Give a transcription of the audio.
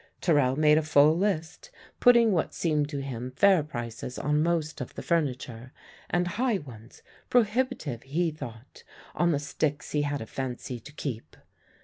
Terrell made a full list, putting what seemed to him fair prices on most of the furniture, and high ones prohibitive he thought on the sticks he had a fancy to keep.